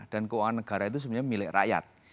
dan keuangan negara itu sebenarnya milik rakyat